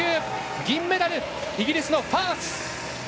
銀メダル、イギリスのファース。